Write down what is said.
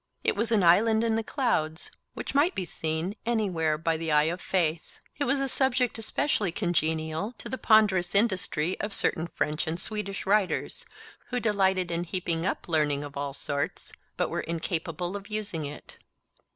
It was an island in the clouds, which might be seen anywhere by the eye of faith. It was a subject especially congenial to the ponderous industry of certain French and Swedish writers, who delighted in heaping up learning of all sorts but were incapable of using it.